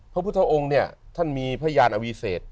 พระพุทธองค์เนี่ยท่านมีพระยานอวิเศษ